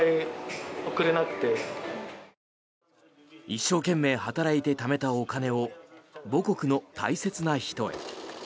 一生懸命働いてためたお金を母国の大切な人へ。